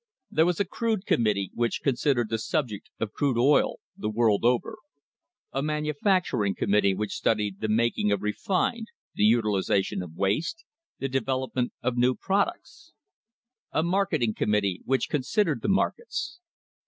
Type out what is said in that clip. There was a Crude Committee which considered the subject of crude oil, the world over; a Manu facturing Committee which studied the making of refined, the utilisation of waste, the development of new products; a Marketing Committee which considered the markets.